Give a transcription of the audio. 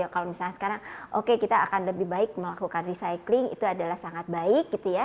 kalau misalnya sekarang kita akan lebih baik melakukan recycling itu adalah sangat baik